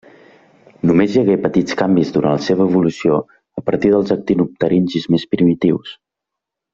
Només hi hagué petits canvis durant la seva evolució a partir dels actinopterigis més primitius.